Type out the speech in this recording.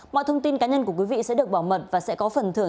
mọi thông tin cá nhân của quý vị sẽ được bảo mật và sẽ có phần thưởng